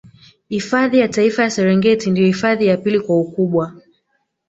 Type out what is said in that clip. Hifadhi ya Taifa ya Serengeti ndio hifadhi ya pili kwa ukubwa